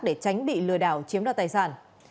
để tránh bị lừa đảo chiếm đoàn tài sản